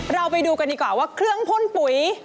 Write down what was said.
เราไปดูกันดีกว่าว่าเครื่องพ่นปุ๋ย